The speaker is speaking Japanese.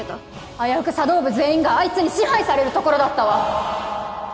あやうく茶道部全員がアイツに支配されるところだったわ